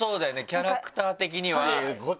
キャラクター的には。